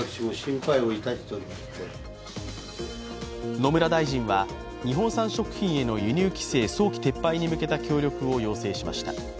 野村大臣は、日本産食品への輸入規制早期撤廃に向けた協力を要請しました。